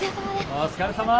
お疲れさまです。